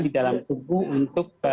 di dalam tubuh untuk